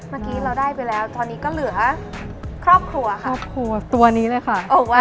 เมื่อกี้เราได้ไปแล้วตอนนี้ก็เหลือครอบครัวค่ะ